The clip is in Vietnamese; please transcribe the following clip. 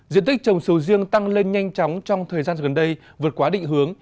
diện tích trồng sầu riêng tăng lên nhanh chóng trong thời gian gần đây vượt quá định hướng